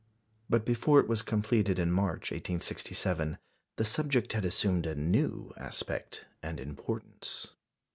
But before it was completed in March, 1867, the subject had assumed a new aspect and importance.